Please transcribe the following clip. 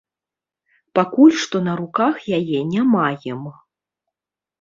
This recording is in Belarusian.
Пакуль што на руках яе не маем.